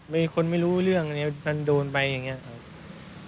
มีคนไม่รู้เรื่องอะไรท่านโดนไปอย่างนี้ครับ